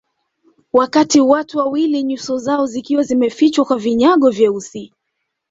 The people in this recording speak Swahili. Wakati watu wawili nyuso zao zikiwa zimefichwa kwa vinyago nyeusi